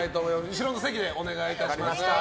後ろの席でお願いします。